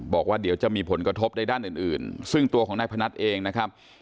บอกว่าเดี๋ยวจะมีผลกระทบในด้านอื่นซึ่งตัวของนายพนัทเองนะครับ